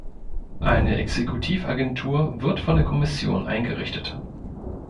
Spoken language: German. Eine Exekutivagentur wird von der Kommission eingerichtet.